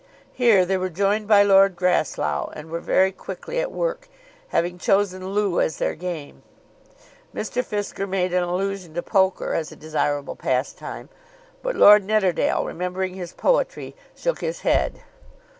Here they were joined by Lord Grasslough, and were very quickly at work, having chosen loo as their game. Mr. Fisker made an allusion to poker as a desirable pastime, but Lord Nidderdale, remembering his poetry, shook his head.